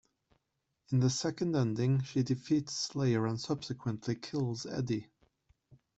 In the second ending, she defeats Slayer and subsequently kills Eddie.